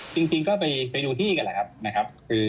จริงก็ไปดูที่กันแหละครับ